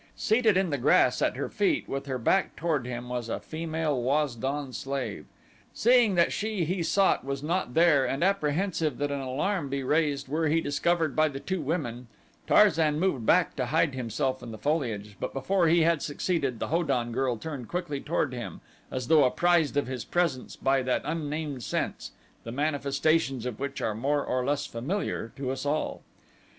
Seated in the grass at her feet, with her back toward him, was a female Waz don slave. Seeing that she he sought was not there and apprehensive that an alarm be raised were he discovered by the two women, Tarzan moved back to hide himself in the foliage, but before he had succeeded the Ho don girl turned quickly toward him as though apprised of his presence by that unnamed sense, the manifestations of which are more or less familiar to us all.